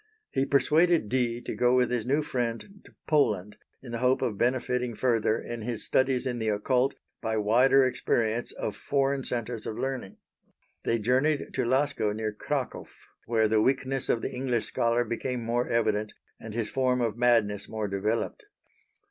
He persuaded Dee to go with his new friend to Poland, in the hope of benefiting further in his studies in the occult by wider experience of foreign centres of learning. They journeyed to Laskoe near Cracow, where the weakness of the English scholar became more evident and his form of madness more developed.